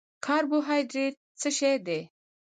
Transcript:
کاربوهایډریټ څه شی دی؟